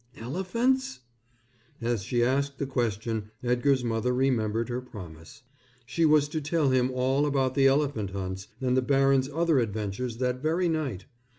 "Elephants?" As she asked the question Edgar's mother remembered her promise. She was to tell him all about the elephant hunts and the baron's other adventures that very night.